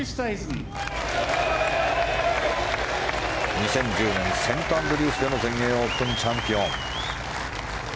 ２０１０年セント・アンドリュースでの全英オープンチャンピオン。